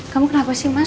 kamu kenapa sih mas